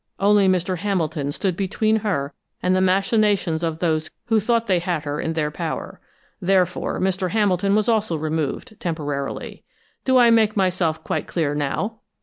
Only Mr. Hamilton stood between her and the machinations of those who thought they had her in their power. Therefore, Mr. Hamilton was also removed, temporarily. Do I make myself quite clear now?"